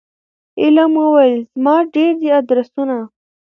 علم وویل زما ډیر دي آدرسونه